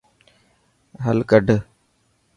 حل ڪڌ.